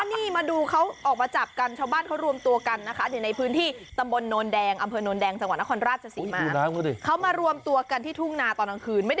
นี่มาดูเขาออกมาจับกันชาวบ้านเขารวมตัวกันนะคะ